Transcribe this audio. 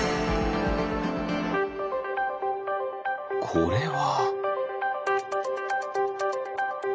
これは？